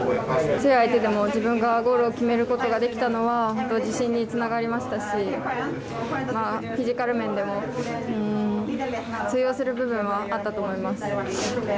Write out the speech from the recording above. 強い相手でも自分がゴールを決めることができたのは本当に自信につながりましたしフィジカル面でも通用する部分はあったと思います。